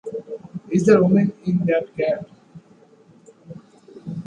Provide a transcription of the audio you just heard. Is there a woman in that cat?